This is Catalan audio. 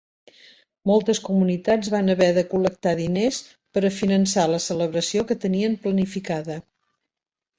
Moltes comunitats van haver de col·lectar diners per a finançar la celebració que tenien planificada.